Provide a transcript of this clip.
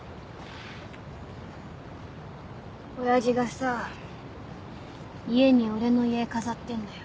親父がさ家に俺の遺影飾ってんだよ。